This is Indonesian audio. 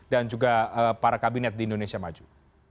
dan juga para kabinet di indonesia maju